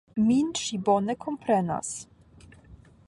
Min ŝi bone komprenas.